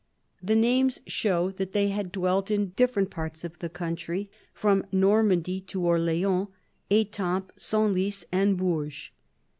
The names show that they had dwelt in different parts of the country, from Normandy to Orleans, Etampes, Senlis, and Bourges.